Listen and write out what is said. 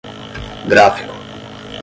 gráfico